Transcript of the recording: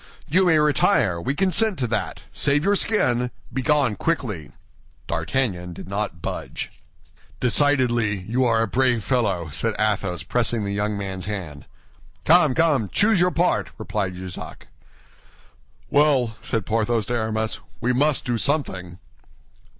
"You may retire; we consent to that. Save your skin; begone quickly." D'Artagnan did not budge. "Decidedly, you are a brave fellow," said Athos, pressing the young man's hand. "Come, come, choose your part," replied Jussac. "Well," said Porthos to Aramis, "we must do something."